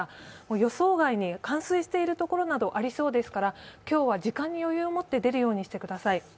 予想外に冠水しているところなどありそうですから今日は時間に余裕を持って出るようにしてください。